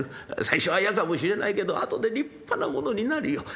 最初は嫌かもしれないけど後で立派なものになるよ。